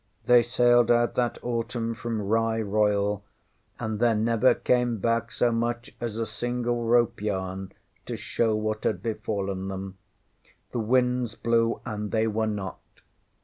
They sailed out that autumn from Rye Royal, and there never came back so much as a single rope yarn to show what had befallen them. The winds blew, and they were not.